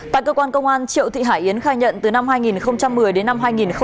tại cơ quan công an triệu thị hải yến khai nhận từ năm hai nghìn một mươi đến năm hai nghìn một mươi bảy